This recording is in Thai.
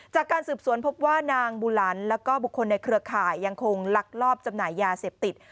จากการสืบสวนพบว่านางบูลันแล้วก็บุคคลในเครือข่ายยังคงลักลอบจำหน่ายยาเสพติด